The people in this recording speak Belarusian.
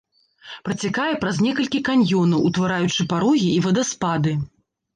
Працякае праз некалькі каньёнаў, утвараючы парогі і вадаспады.